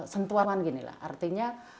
sentuhan ginilah artinya